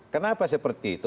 kenapa seperti itu